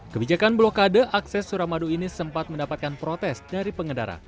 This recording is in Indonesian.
kebijakan blokade akses suramadu ini sempat mendapatkan protes dari pengendara